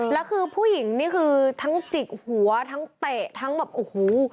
แล้วคือผู้หญิงนี่คือทั้งจิกหัวทั้งเตะทั้งแบบโอ้โห